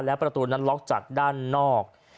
และประตูนั้นล็อกจากด้านนอก